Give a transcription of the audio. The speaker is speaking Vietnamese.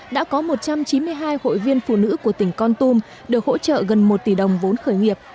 đã có một trăm chín mươi hai hội viên phụ nữ của tỉnh con tum được hỗ trợ gần một tỷ đồng vốn khởi nghiệp